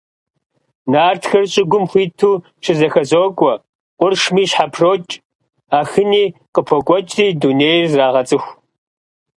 Нартхэр щӀыгум хуиту щызэхэзокӀуэ, къуршми щхьэпрокӀ, Ахыни къыпокӀуэкӀри дунейр зрагъэцӀыху.